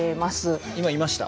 今いました？